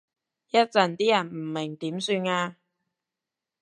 一陣啲人唔明點算啊？